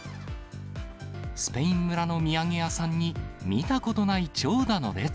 スペイン村の土産屋さんに見たことない長蛇の列！